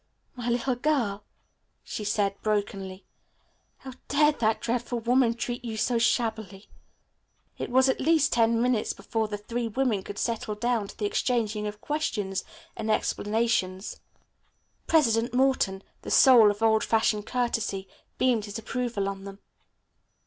"My little girl," she said brokenly. "How dared that dreadful woman treat you so shabbily?" It was at least ten minutes before the three women could settle down to the exchanging of questions and explanations. President Morton, the soul of old fashioned courtesy, beamed his approval on them.